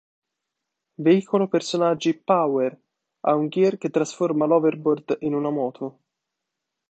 Veicolo personaggi "Power": ha un Gear che trasforma l'Overboard in una moto.